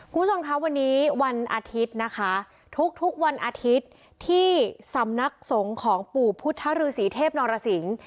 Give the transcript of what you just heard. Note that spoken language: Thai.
คุณผู้ชมคะวันนี้วันอาทิตย์นะคะทุกวันอาทิตย์ที่สำนักสงฆ์ของปู่พุทธฤษีเทพนรสิง